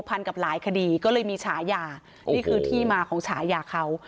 กับหลายคดีก็เลยมีฉายานี่คือที่มาของฉายาเขา